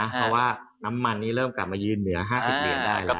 เพราะว่าน้ำมันนี้เริ่มกลับมายืนเหนือ๕๐เหรียญได้แล้ว